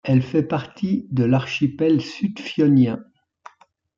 Elle fait partie de l'archipel sud-fionien.